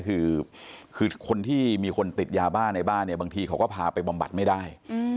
คือคนที่มีคนติดยาบ้าในบ้านเนี่ยบางทีเขาก็พาไปบำบัดไม่ได้